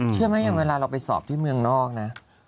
เชื่อไหมอย่างเวลาเราไปสอบที่เมืองนอกนะ